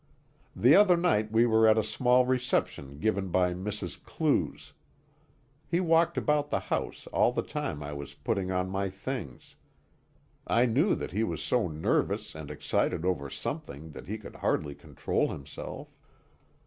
The other night we were at a small reception given by Mrs. Clews. He walked about the house all the time I was putting on my things. I knew that he was so nervous and excited over something that he could hardly control himself.